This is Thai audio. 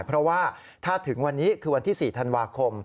เพราะว่าถ้าถึงวันนี้คือวันที่๔ธันวาคม